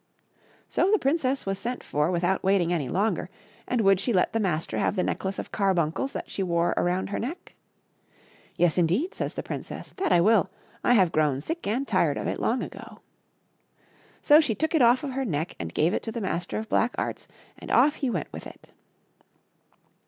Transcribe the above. So the princess was sent for without waiting any longer, and would she let the Master have the necklace of carbuncles that she wore around her neck? " Yes, indeed !" says the princess, " that I will ! I have grown sick and tired of it long ago." So she took it off of her neck and gave it to the Master of Black Arts, and off he went with it.